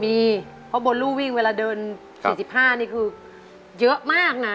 มีเพราะบนรูวิ่งเวลาเดิน๔๕นี่คือเยอะมากนะ